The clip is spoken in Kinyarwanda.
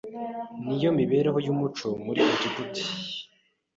ni yo mibereho y’umuco muri Egiputa